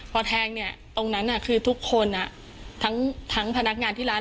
พอแทงเนี่ยตรงนั้นคือทุกคนทั้งพนักงานที่ร้าน